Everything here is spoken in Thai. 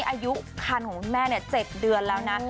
อายุคันของแม่เนี่ย๗เดือนแล้วนะ